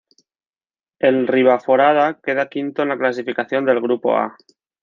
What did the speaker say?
El Ribaforada queda quinto en la clasificación del "grupo A".